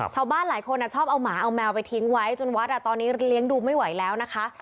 ชาวบ้านหลายคนชอบเอาหมาเอาแมวไปทิ้งไว้จนวัดตอนนี้เลี้ยงดูไม่ไหวแล้วนะคะ